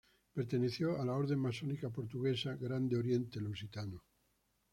Perteneció a la orden masónica portuguesa Grande Oriente Lusitano.